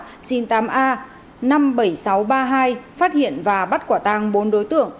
lực lượng chức năng công an sơn la vừa phát hiện và bắt giữ bốn đối tượng